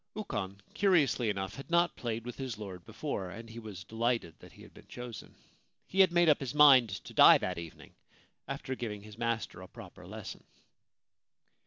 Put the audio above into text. Ukon, curiously enough, had not played with his lord before, and he was delighted that he had been chosen. He had made up his mind to die that evening after giving his master a proper lesson.